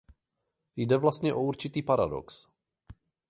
Jde vlastně o určitý paradox.